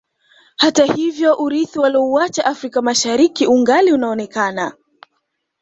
Hata hivyo urithi waliouacha Afrika Mashariki ungali unaonekana